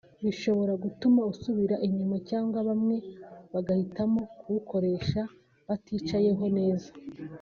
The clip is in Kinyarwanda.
bishobora gutuma usubira inyuma cyangwa bamwe bagahitamo kubukoresha baticayeho neza